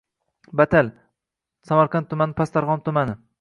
Batal – q., Samarqand tumani pastdarg‘om tumani.